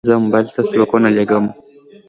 زه موبایل ته سبقونه لیکم.